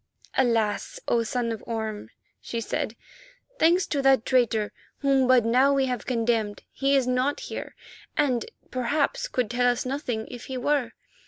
"Alas! O Son of Orme," she said, "thanks to that traitor whom but now we have condemned, he is not here and, perhaps, could tell us nothing if he were.